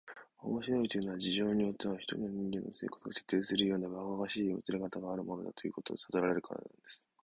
「面白いというのは、事情によっては一人の人間の生活を決定するようなばかばかしいもつれかたがあるものだ、ということをさとらせられるからなんです」